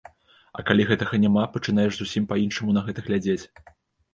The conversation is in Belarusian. А калі гэтага няма, пачынаеш зусім па-іншаму на гэта глядзець.